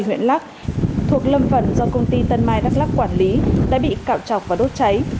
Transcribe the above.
huyện lắc thuộc lâm phần do công ty tân mai đắk lắc quản lý đã bị cạo chọc và đốt cháy